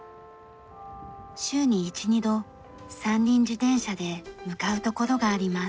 週に１２度三輪自転車で向かう所があります。